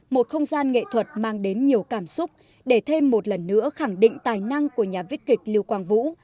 một không gian nghệ thuật mang đến nhiều cảm xúc để thêm một lần nữa khẳng định tài năng của nhà viết kịch lưu quang vũ